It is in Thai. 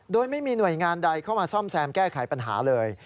โดยไม่มีหน่วยงานใดเข้ามาซ่อมแซมแก้ไขปัญหาเลย